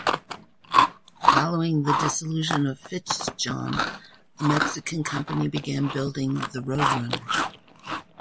Following the dissolution of FitzJohn, a Mexican company began building the Roadrunner.